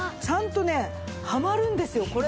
ちゃんとねはまるんですよ。